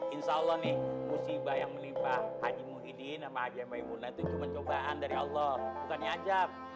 insya allah nih musibah yang melimpah haji muhyiddin sama haji memona itu cuma cobaan dari allah bukannya azab